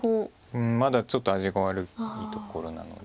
まだちょっと味が悪いところなので。